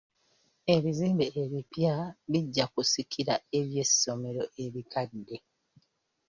Ebizimbe ebipya bijja kusikira eby'essomero ebikadde.